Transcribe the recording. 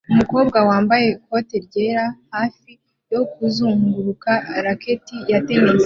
Umukobwa wambaye ikoti ryera hafi yo kuzunguruka racket ya tennis